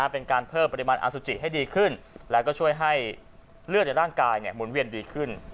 เป็นการเพิ่มปริมาณอสุจิให้ดีขึ้นแล้วก็ช่วยให้เลือดในร่างกายหมุนเวียนดีขึ้น